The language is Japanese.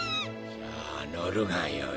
さあ乗るがよい